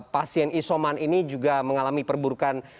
pasien isoman ini juga mengalami perburukan